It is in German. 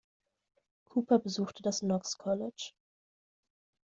Cooper besuchte das Knox College.